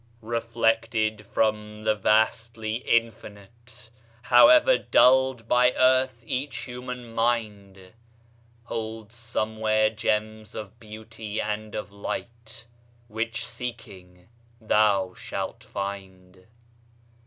Reflected from the vastly Infinite, However dulled by earth, each human mind Holds somewhere gems of beauty and of light Which, seeking, thou shalt find.